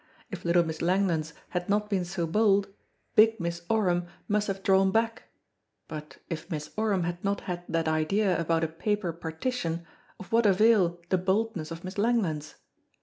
If little Miss Langlands had not been so bold, big Miss Oram must have drawn back, but if Miss Oram had not had that idea about a paper partition, of what avail the boldness of Miss Langlands?